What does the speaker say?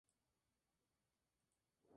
En España es publicada por Milky Way Ediciones.